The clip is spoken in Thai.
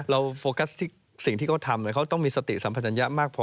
โฟกัสที่สิ่งที่เขาทำเขาต้องมีสติสัมพันธัญญะมากพอ